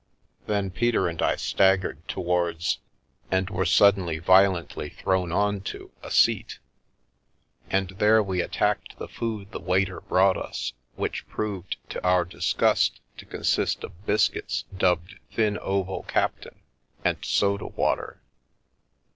Then Peter and I staggered towards, and were suddenly violently thrown on to, a seat ; and there we 233 The Milky Way attacked the food the waiter brought us, which proved, to our disgust, to consist of biscuits dubbed " thin oval captain/' and soda water.